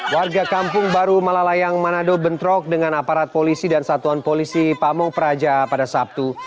warga kampung baru malalayang manado bentrok dengan aparat polisi dan satuan polisi pamung praja pada sabtu